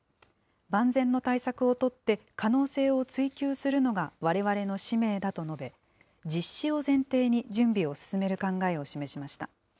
万全の対策を取って、可能性を追求するのがわれわれの使命だと述べ、実施を前提に準備を進める考えを示しました。